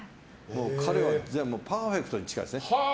彼は、パーフェクトに近いですね。